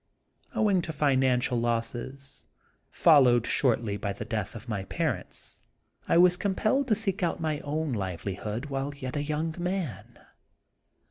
Owing to financial losses, followed shortly by the death of my parents, I was compelled to seek my own livelihood while yet a young man.